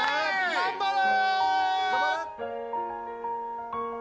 頑張れ！